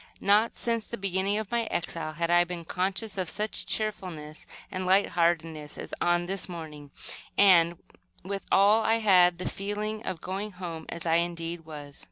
Not since the beginning of my exile had I been conscious of such cheerfulness and light heartedness as on this morning and, with all, I had the feeling of going home, as, indeed, I was.